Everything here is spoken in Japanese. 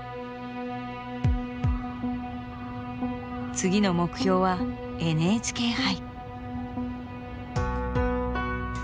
次の目標はＮＨＫ杯。